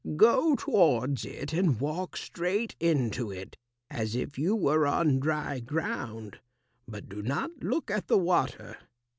Go towards it and walk straight into it, as if you were on dry ground. But do not look at the water.